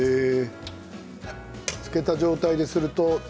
つけた状態ですると？